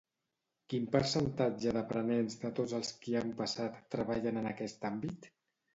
Quin percentatge d'aprenents de tots els qui hi han passat treballen en aquest àmbit?